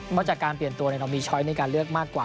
เพราะจากการเปลี่ยนตัวเรามีช้อยในการเลือกมากกว่า